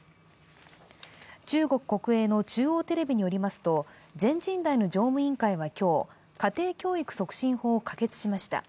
中国国営の中央テレビによりますと全人代の常務委員会は今日、家庭教育促進法を可決しました。